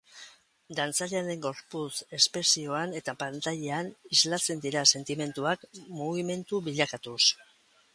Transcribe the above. Dantzariaren gorputz espesioan eta pantailan islatzen dira sentimenduak, mugimendu bilakatuz.